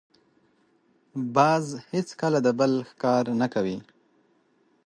باز هېڅکله د بل ښکار نه خوري